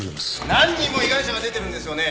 何人も被害者が出てるんですよね？